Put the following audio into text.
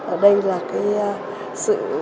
ở đây là cái sự